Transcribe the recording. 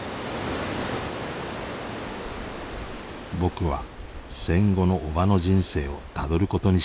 僕は戦後のおばの人生をたどることにしました。